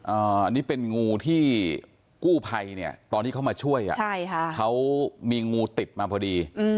อันนี้เป็นงูที่กู้ไพตอนที่เขามาช่วยเขามีงูติดมาพอดี